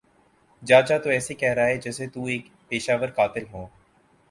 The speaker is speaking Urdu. جاجا تو ایسے کہ رہا ہے جیسے تو ایک پیشہ ور قاتل ہو